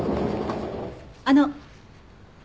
あの。